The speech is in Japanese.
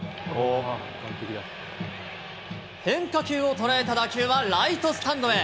変化球を捉えた打球はライトスタンドへ。